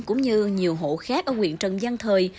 cũng như nhiều hộ khác ở nguyện trần giang thời